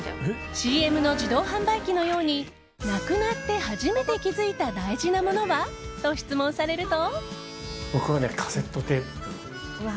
ＣＭの自動販売機のようになくなって初めて気づいた大事なものは？と質問されると。